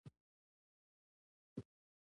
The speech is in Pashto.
د افغانستان اقتصاد ترډیره پرکرهڼه ولاړ دی.